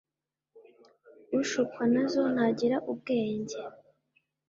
ushukwa nazo ntagira ubwenge'°."